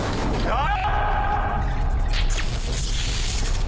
ああ。